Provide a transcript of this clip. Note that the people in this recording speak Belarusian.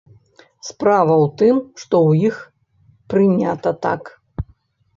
Справа ў тым, што ў іх прынята так.